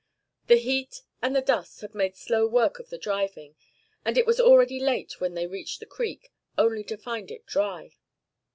The heat and the dust had made slow work of the driving, and it was already late when they reached the creek, only to find it dry.